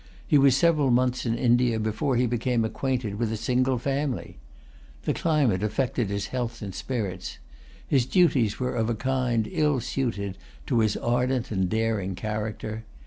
He was several months in India before he became acquainted with a single family. The climate affected his health and spirits. His duties were of a kind ill suited to his ardent and daring character.